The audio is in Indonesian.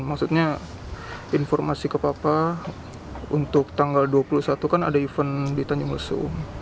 maksudnya informasi ke papa untuk tanggal dua puluh satu kan ada event di tanjung lesu